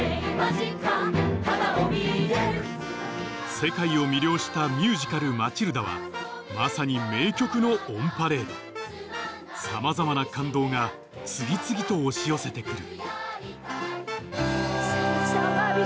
世界を魅了したミュージカル『マチルダ』はまさに名曲のオンパレードさまざまな感動が次々と押し寄せてくる